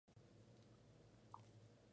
Les Essarts-le-Vicomte